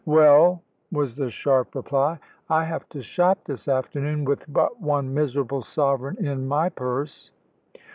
"Well," was the sharp reply, "I have to shop this afternoon with but one miserable sovereign in my purse."